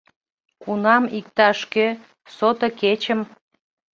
Кунам иктаж-кӧ, сото кечым